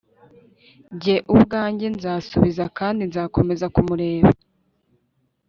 Jye ubwanjye nzasubiza kandi nzakomeza kumureba